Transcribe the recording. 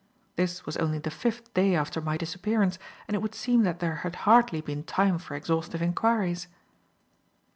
This was only the fifth day after my disappearance, and it would seem that there had hardly been time for exhaustive enquiries.